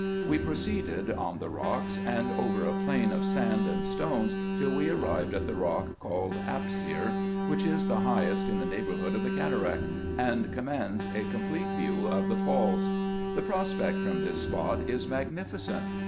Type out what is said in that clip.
We proceeded, on the rocks, and over a plain of sand and stones, till we arrived at the rock called Apsir, which is the highest in the neighbourhood of the cataract, and commands a complete view of the falls. The prospect from this spot is magnificent.